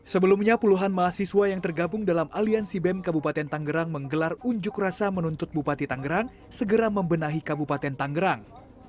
sebelumnya puluhan mahasiswa yang tergabung dalam aliansi bem kabupaten tanggerang menggelar unjuk rasa menuntut bupati tangerang segera membenahi kabupaten tangerang